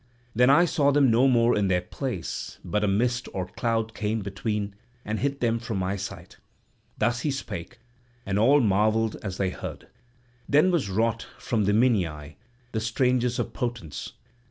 Then I saw them no more in their place, but a mist or cloud came between and hid them from my sight." Thus he spake, and all marvelled as they heard. Then was wrought for the Minyae the strangest of portents.